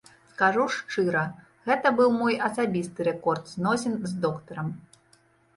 Скажу шчыра, гэта быў мой асабісты рэкорд зносін з доктарам.